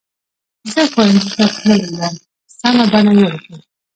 زه ښوونځي ته تللې وم سمه بڼه یې ولیکئ.